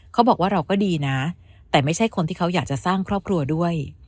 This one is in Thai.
เขาบอกว่าเราก็ดีนะแต่ไม่ใช่คนที่เขาอยากจะสร้างครอบครัวด้วย